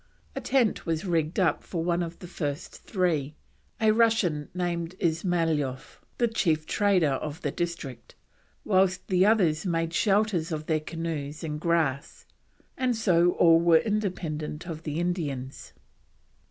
A tent was rigged up for one of the first three, a Russian named Ismyloff (Ismailoff) the chief trader of the district, whilst the others made shelters of their canoes and grass, and so all were independent of the Indians.